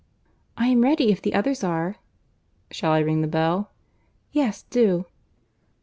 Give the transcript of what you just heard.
"I am ready, if the others are." "Shall I ring the bell?" "Yes, do."